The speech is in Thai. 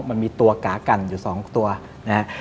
มันมีตัวกากันอยู่๒ตัวนะครับ